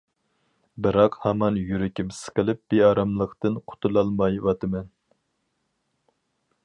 بىراق ھامان يۈرىكىم سىقىلىپ بىئاراملىقتىن قۇتۇلالمايۋاتىمەن.